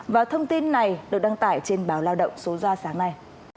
và thông tin này được đăng tải trên báo lao động số ra sáng nay